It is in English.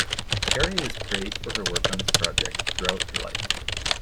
Terry was praised for her work on this project throughout her life.